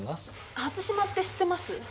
初島って知ってます？